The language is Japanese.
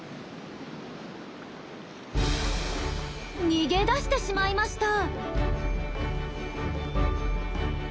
逃げ出してしまいました。